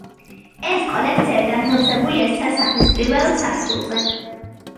ეს კოლექცია განთავსებულია სასახლის პირველ სართულზე.